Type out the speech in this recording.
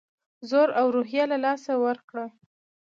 زور او روحیه له لاسه ورکړه.